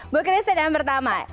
bu christine yang pertama